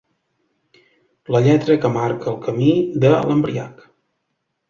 La lletra que marca el camí de l'embriac.